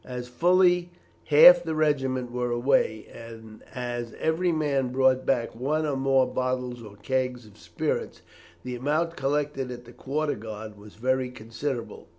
As fully half the regiment were away, and as every man brought back one or more bottles or kegs of spirits, the amount collected at the quarter guard was very considerable.